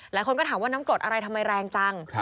หลายคนก็ถามว่าน้ำกรดอะไรทำไมแรงจัง